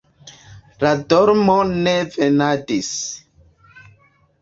La dormo ne venadis.